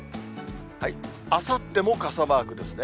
あさっても傘マークですね。